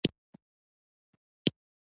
بوټونه د مدرسې ماشومانو ته ځانګړي دي.